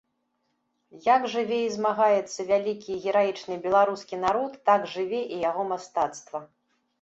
Як жыве і змагаецца вялікі і гераічны беларускі народ, так жыве і яго мастацтва.